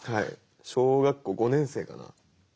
小学校５年生かな。